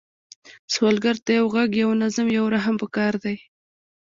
سوالګر ته یو غږ، یو نظر، یو رحم پکار دی